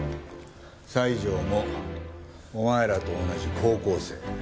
西条もお前らと同じ高校生。